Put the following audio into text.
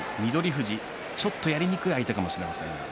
富士はちょっとやりにくい相手かもしれません。